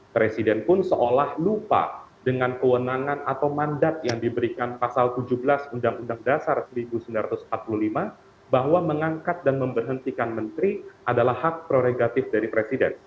presiden pun seolah lupa dengan kewenangan atau mandat yang diberikan pasal tujuh belas undang undang dasar seribu sembilan ratus empat puluh lima bahwa mengangkat dan memberhentikan menteri adalah hak prerogatif dari presiden